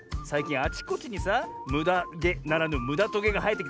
あちこちにさむだげならぬむだトゲがはえてきてさ